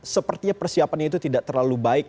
sepertinya persiapannya itu tidak terlalu baik